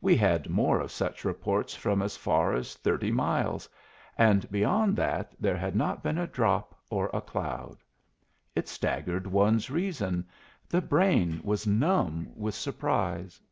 We had more of such reports from as far as thirty miles, and beyond that there had not been a drop or a cloud. It staggered one's reason; the brain was numb with surprise.